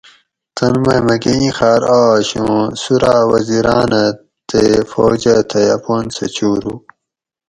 تن مئ مکہۤ اِیں خاۤر آش اُوں سُوراۤ وزیراۤن اۤ تے فوجہ تھئ اپان سہۤ چھورو